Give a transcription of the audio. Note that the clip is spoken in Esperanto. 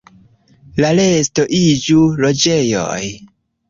La resto iĝu loĝejoj.